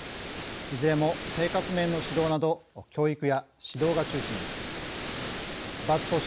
いずれも、生活面の指導など教育や指導が中心です。